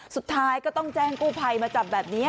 สุดท้ายก็ต้องแจ้งกู้ภัยมาจับแบบนี้